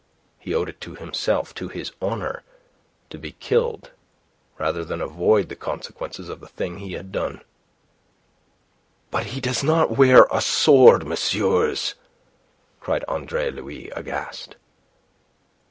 He owed it to himself, to his honour, to be killed rather than avoid the consequences of the thing he had done. "But he does not wear a sword, messieurs!" cried Andre Louis, aghast.